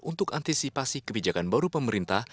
untuk antisipasi kebijakan baru pemerintah